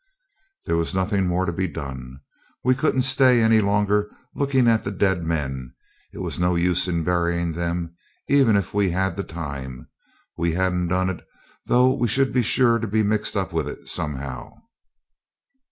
There was nothing more to be done. We couldn't stay any longer looking at the dead men; it was no use burying them, even if we'd had the time. We hadn't done it, though we should be sure to be mixed up with it somehow.